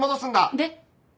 で？